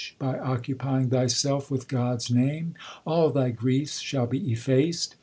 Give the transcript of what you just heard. By occupying thyself with God s name All thy griefs shall be effaced.